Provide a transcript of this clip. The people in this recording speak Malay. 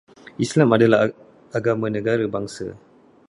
Islam adalah agama negara bangsa